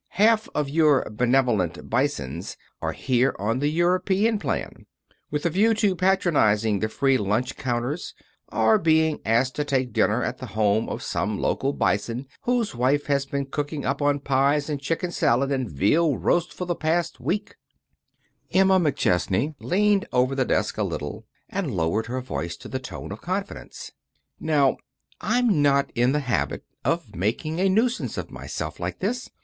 Half of your Benevolent Bisons are here on the European plan, with a view to patronizing the free lunch counters or being asked to take dinner at the home of some local Bison whose wife has been cooking up on pies, and chicken salad and veal roast for the last week." [Illustration: "'Son!' echoed the clerk, staring"] Emma McChesney leaned over the desk a little, and lowered her voice to the tone of confidence. "Now, I'm not in the habit of making a nuisance of myself like this.